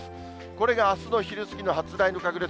これがあすの昼過ぎの発雷の確率。